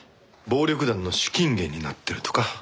暴力団の資金源になってるとか？